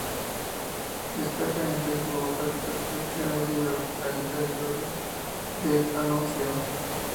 Destaca entre su obra la traducción del libro "La hija de Yorio" de D'Annunzio.